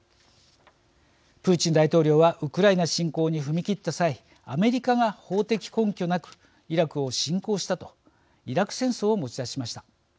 プーチン大統領はウクライナ侵攻に踏み切った際アメリカが法的根拠なくイラクを侵攻したとイラク戦争を持ち出しました。